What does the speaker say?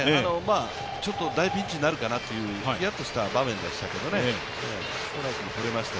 大ピンチになるかなというひやっとした場面でしたけど。